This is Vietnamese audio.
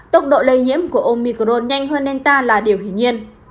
tốc độ lây nhiễm của omicron nhanh hơn delta là điều hình nhiên